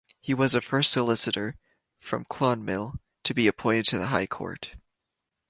He was the first solicitor from Clonmel to be appointed to the High Court.